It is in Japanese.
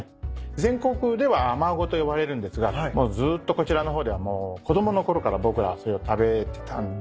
全国ではアマゴと呼ばれるんですがずっとこちらの方ではもう子供のころから僕らそれを食べてたんで。